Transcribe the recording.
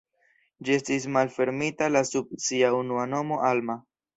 Ĝi estis malfermita la sub sia unua nomo Alma.